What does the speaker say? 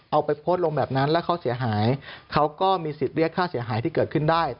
เอาไปโพสต์ลงแบบนั้นแล้วเขาเสียหายเขาก็มีสิทธิ์เรียกค่าเสียหายที่เกิดขึ้นได้